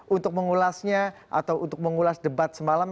untuk mengulasnya atau untuk mengulas debat semalam